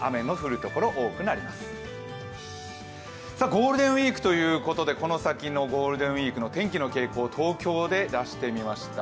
ゴールデンウイークということでこの先のゴールデンウイークの天気の傾向、東京で出して見ました。